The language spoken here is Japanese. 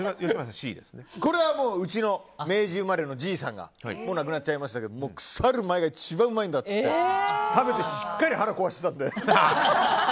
これはうちの明治生まれのじいさんがもう亡くなっちゃいましたが腐る前が一番うまいって食べてしっかり腹壊してたので。